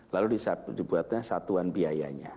lalu dibuatnya satuan biayanya